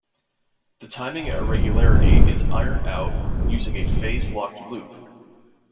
The timing irregularity is ironed out using a phase locked loop.